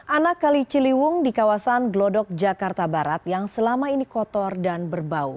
anak kali ciliwung di kawasan glodok jakarta barat yang selama ini kotor dan berbau